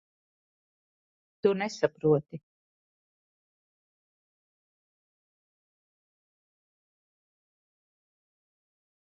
Tu nesaproti.